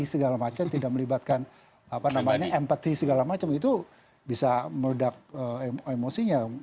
segala macem tidak melibatkan apa namanya empathy segala macem itu bisa meredak emosinya